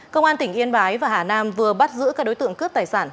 công an tỉnh yên bái và hà nam vừa bắt giữ các đối tượng cướp tài sản